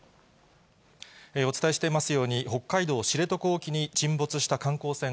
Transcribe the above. お伝えしていますように、北海道知床沖に沈没した観光船